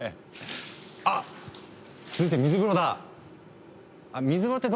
あっ続いて水風呂だ！